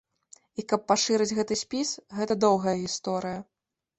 І каб пашырыць гэты спіс, гэта доўгая гісторыя.